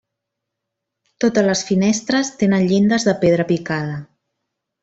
Totes les finestres tenen llindes de pedra picada.